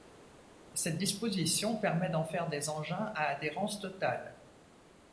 Cette disposition permet d'en faire des engins à adhérence totale.